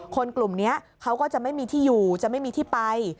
คนกลุ่มนี้เขาก็จะไม่มีที่อยู่จะไม่มีที่ไป